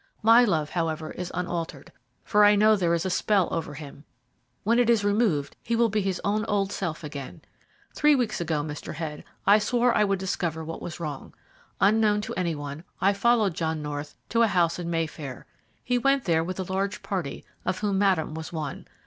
My love, however, is unaltered, for I know there is a spell over him. When it is removed he will be his own old self again. Three weeks ago, Mr. Head, I swore I would discover what was wrong. Unknown to any one, I followed John North to a house in Mayfair. He went there with a large party, of whom Madame was one.